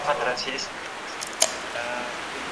تعليم د ټولنې بنسټيزه اړتيا ده.